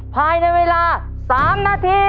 ภายในเวลา๓นาที